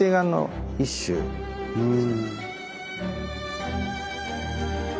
うん。